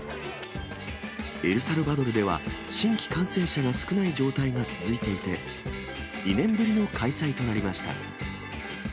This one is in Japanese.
エルサルバドルでは、新規感染者が少ない状態が続いていて、２年ぶりの開催となりました。